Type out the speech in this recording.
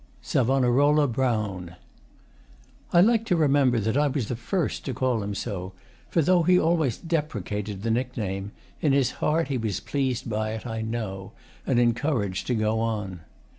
'SAVONAROLA' BROWN I like to remember that I was the first to call him so, for, though he always deprecated the nickname, in his heart he was pleased by it, I know, and encouraged to go on.